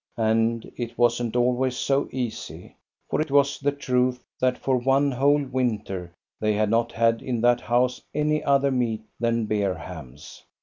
And it was n't always so easy ; for it was the truth that for one whole winter they had not had in that house any other meat than bear hams.